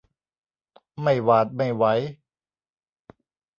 ไม่หวาดไม่ไหว